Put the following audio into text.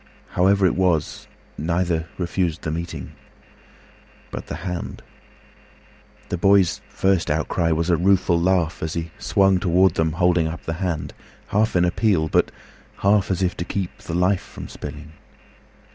However it was, Neither refused the meeting. But the hand! The boy's first outcry was a rueful laugh, As he swung toward them holding up the handHalf in appeal, but half as if to keepThe life from spilling.